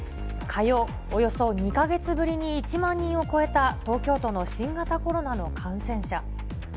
火曜、およそ２か月ぶりに１万人を超えた東京都の新型コロナの感染者。